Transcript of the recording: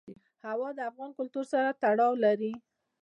هوا د افغان کلتور سره تړاو لري.